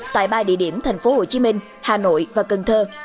tại ba địa điểm tp hcm hà nội và cần thơ